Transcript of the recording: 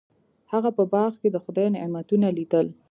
هغه په باغ کې د خدای نعمتونه لیدل.